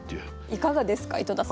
いかがですか？